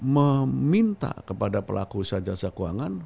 meminta kepada pelaku sahaja sekeuangan